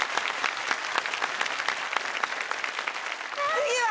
次は？